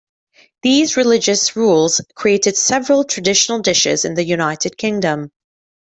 These religious rules created several traditional dishes in the United Kingdom.